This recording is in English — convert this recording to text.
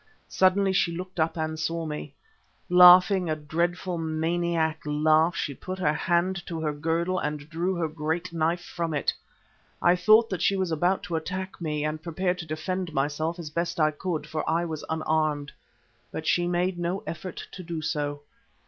Suddenly she looked up and saw me. Laughing a dreadful maniac laugh, she put her hand to her girdle and drew her great knife from it. I thought that she was about to attack me, and prepared to defend myself as I best could, for I was unarmed. But she made no effort to do so.